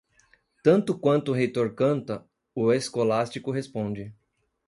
Tanto quanto o reitor canta, o escolástico responde.